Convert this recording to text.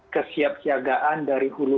kesiapsiagaan dari hulu